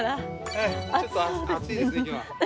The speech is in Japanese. ええちょっと暑いですね今日は。